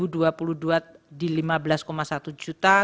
tahun dua ribu dua puluh dua rp lima belas satu juta